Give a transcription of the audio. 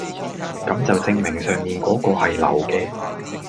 咁就證明上面嗰個係流嘅